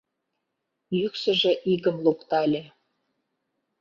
Йӱксыжӧ игым луктале.